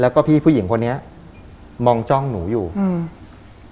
แล้วก็พี่ผู้หญิงคนนี้มองจ้องหนูอยู่อืม